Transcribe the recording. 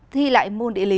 thi lại môn điện lý